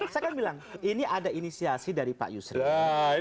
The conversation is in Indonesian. saya kan bilang ini ada inisiasi dari pak yusri